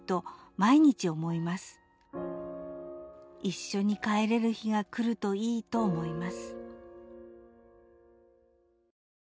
「毎日思ひます」「一緒に帰れる日が来るといいと思ひます」